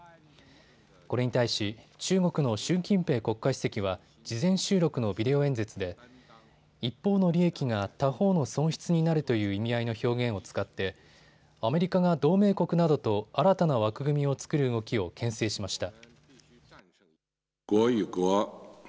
これに対し中国の習近平国家主席は事前収録のビデオ演説で一方の利益が他方の損失になるという意味合いの表現を使ってアメリカが同盟国などと新たな枠組みを作る動きをけん制しました。